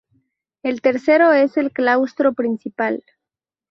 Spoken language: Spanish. El tercero es el claustro principal.